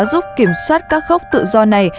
giúp kiểm soát các khốc tự do này